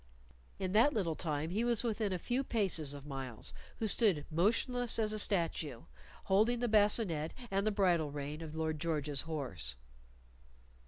In that little time he was within a few paces of Myles, who stood motionless as a statue, holding the bascinet and the bridle rein of Lord George's horse.